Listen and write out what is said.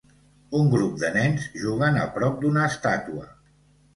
Un grup de nens juguen a prop d'una estàtua.